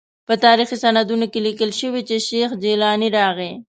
په تاریخي سندونو کې لیکل شوي چې شیخ جیلاني راغی.